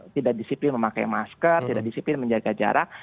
tidak disiplin memakai masker tidak disiplin menjaga jarak